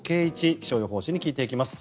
気象予報士に聞いていきます。